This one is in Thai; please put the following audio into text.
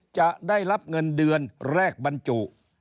จะได้รับเงินเดือนแรกบรรจุ